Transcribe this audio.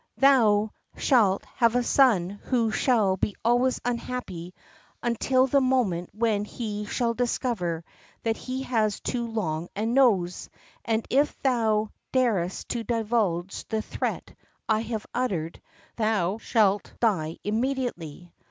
Thou shalt have a son who shall be always unhappy until the moment when he shall discover that he has too long a nose, and if thou darest to divulge the threat I have uttered, thou shalt die immediately."